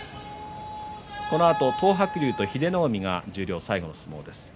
このあと東白龍と英乃海が十両最後の相撲です。